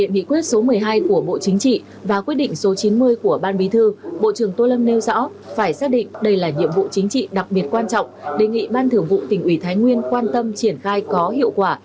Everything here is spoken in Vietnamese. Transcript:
nhiệm vụ chính trị và quyết định số chín mươi của ban bí thư bộ trưởng tô lâm nêu rõ phải xác định đây là nhiệm vụ chính trị đặc biệt quan trọng đề nghị ban thưởng vụ tỉnh ủy thái nguyên quan tâm triển khai có hiệu quả